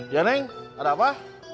ya neng ada apa